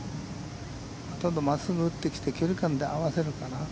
まっすぐ打ってきて距離感で合わせるかな。